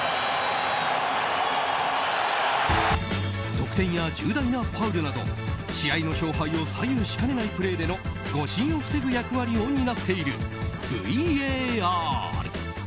得点や重大なファウルなど試合の勝敗を左右しかねないプレーでの誤審を防ぐ役割を担っているＶＡＲ。